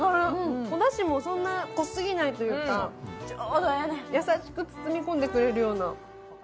おだしもそんなに濃すぎないというか、ちょうどええねん、優しく包み込んでくれるような。